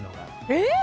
えっ！